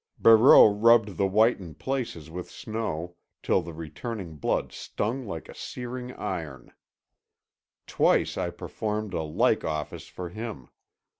Barreau rubbed the whitened places with snow till the returning blood stung like a searing iron. Twice I performed a like office for him.